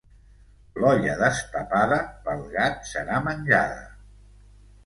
L'olla destapada pel gat serà menjada.